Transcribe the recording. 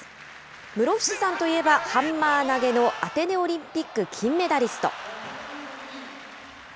室伏さんといえば、ハンマー投げのアテネオリンピック金メダリスト。